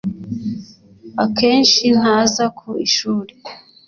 Akenshi ntaza ku ishuri